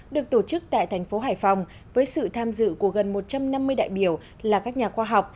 được tổ chức tại thành phố hải phòng với sự tham dự của gần một trăm năm mươi đại biểu là các nhà khoa học